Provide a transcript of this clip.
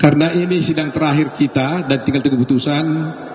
karena ini sidang terakhir kita dan tinggal tiga keputusan